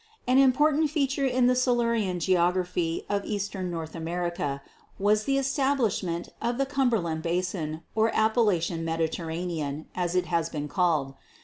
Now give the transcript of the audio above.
An important feature in the Silurian geography of eastern North America was the establishment of the 'Cumberland Basin,' or 'Appalachian Mediterranean' as it has been called.